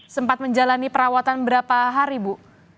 sempat menjalani perawatan berapa hari bu